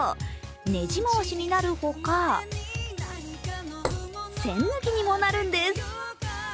ねじ回しになるほか、栓抜きにもなるんです。